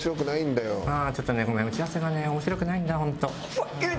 ちょっとごめん打ち合わせがね面白くないんだ本当。